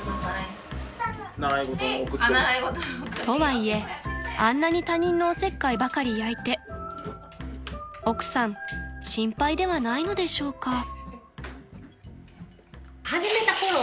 ［とはいえあんなに他人のおせっかいばかり焼いて奥さん心配ではないのでしょうか］